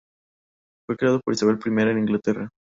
Fue creado por Isabel I de Inglaterra.